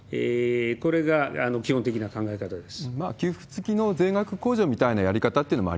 これが基本的な考え方です。